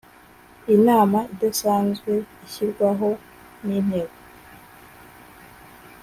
inama idasanzwe ishyirwaho n Inteko